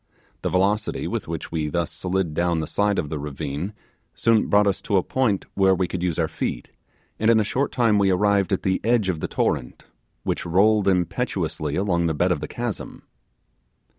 This velocity with which we thus slid down the side of the ravine soon brought us to a point where we could use our feet, and in a short time we arrived at the edge of the torrent, which rolled impetuously along the bed of the chasm.